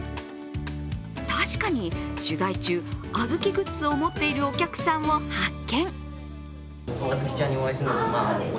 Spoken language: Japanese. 確かに取材中、あずきグッズを持っているお客さんを発見。